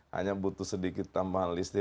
hanya butuh sedikit tambahan list